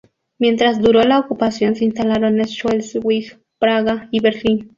Mientras duró la ocupación se instalaron en Schleswig, Praga y Berlín.